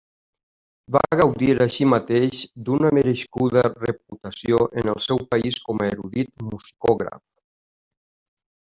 Va gaudir així mateix d'una merescuda reputació en el seu país com a erudit musicògraf.